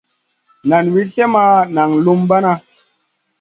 Nan wi slèh ma naŋ lumbana.